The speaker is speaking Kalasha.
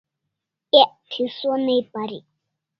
Ek thi sonai parik